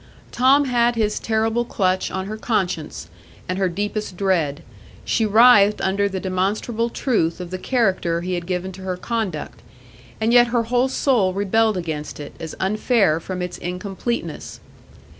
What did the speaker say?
Tom had his terrible clutch on her conscience and her deepest dread; she writhed under the demonstrable truth of the character he had given to her conduct, and yet her whole soul rebelled against it as unfair from its incompleteness.